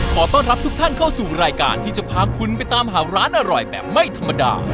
ขอต้อนรับทุกท่านเข้าสู่รายการที่จะพาคุณไปตามหาร้านอร่อยแบบไม่ธรรมดา